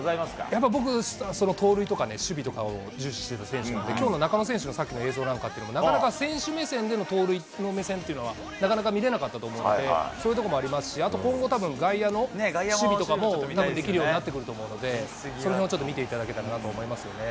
やっぱ僕、盗塁とか守備とかを重視してた選手なんで、きょうの中野選手のさっきの映像なんかも、なかなか選手目線での盗塁の目線っていうのは、なかなか見れなかったと思うので、そういうとこもありますし、あと今後、外野の守備とかも、たぶんできるようになってくると思うので、そのへんをちょっと見ていただけたらなと思いますよね。